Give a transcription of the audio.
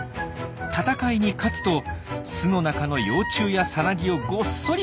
戦いに勝つと巣の中の幼虫やさなぎをごっそり持ち帰ります。